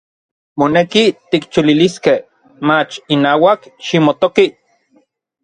Moneki tikcholiliskej, mach inauak ximotoki.